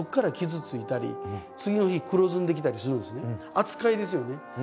扱いですよね。